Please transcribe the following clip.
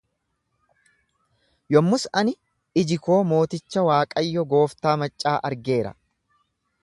Yommus ani, iji koo mooticha Waaqayyo gooftaa maccaa argeera.